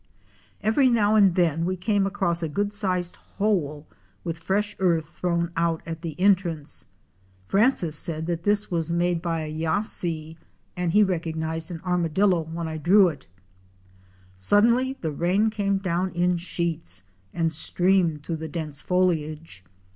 Every now and then we came across a good sized hole with fresh earth thrown out at the entrance. Francis said that this was made by a "Ydasee"' and he recognized an armadillo when I drew it. Suddenly the rain came down in sheets, and streamed through the dense foliage.